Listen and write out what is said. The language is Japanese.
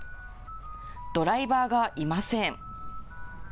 ドライバーがいません。